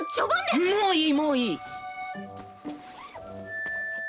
もういいもういい！